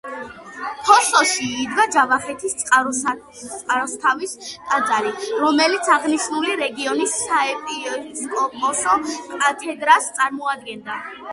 ფოსოში იდგა ჯავახეთის წყაროსთავის ტაძარი, რომელიც აღნიშნული რეგიონის საეპისკოპოსო კათედრას წარმოადგენდა.